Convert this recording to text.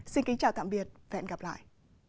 xin kính chào tạm biệt và hẹn gặp lại